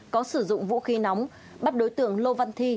có sử dụng vũ khí nóng bắt đối tượng lô văn thi